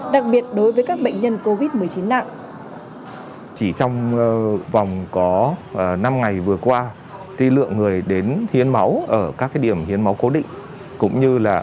đặc biệt đối với các bệnh nhân covid một mươi chín nặng